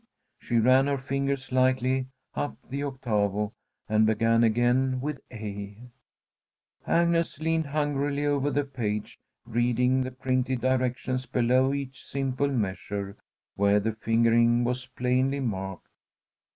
She ran her fingers lightly up the octavo and began again with A. Agnes leaned hungrily over the page, reading the printed directions below each simple measure, where the fingering was plainly marked.